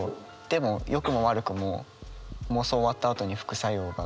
でもよくも悪くも妄想終わったあとに副作用が。